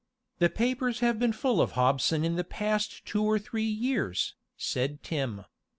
"The papers have been full of Hobson in the past two or three years," said Tim.